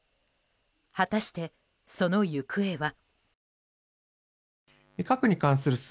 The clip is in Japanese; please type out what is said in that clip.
果たして、その行方は。